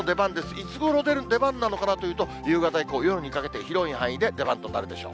いつごろ出番なのかなというと、夕方以降、夜にかけて、広い範囲で出番となるでしょう。